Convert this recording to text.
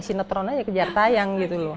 sinetron aja kejar tayang gitu loh